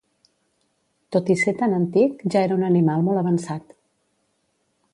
Tot i ser tan antic, ja era un animal molt avançat.